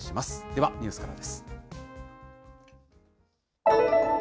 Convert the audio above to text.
ではニュースからです。